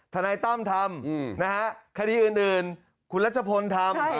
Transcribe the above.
ทนายตั้มทำนะฮะคดีอื่นคุณรัชพลทำ